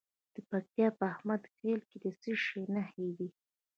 د پکتیا په احمد خیل کې د څه شي نښې دي؟